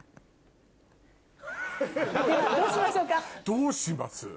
どうします？